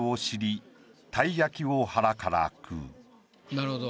なるほど。